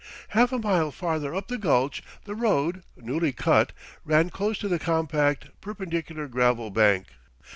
Half a mile farther up the gulch, the road, newly cut, ran close to the compact, perpendicular gravel bank.